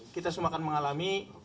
kita semua akan mengalami